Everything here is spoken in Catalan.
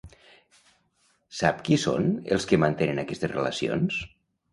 Sap qui són els que mantenen aquestes relacions?